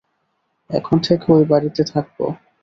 এখন থেকে ঐ বাড়িতে থাকব!